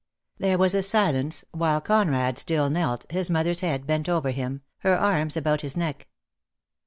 There was a silence, while Conrad still knelt, his mother's head bent over him, her arms about his neck.